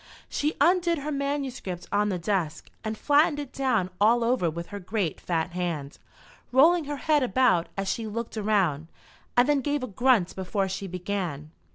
She undid her manuscript on the desk, and flattened it down all over with her great fat hand, rolling her head about as she looked around, and then gave a grunt before she began.